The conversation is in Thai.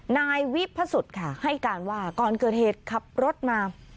นายวิพสุทธิ์ค่ะให้การว่าก่อนเกิดเหตุขับรถมา